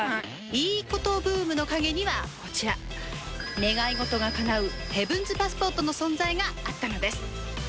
いいことブームの陰にはこちら、願い事がかなうヘブンズパスポートの存在があったのです。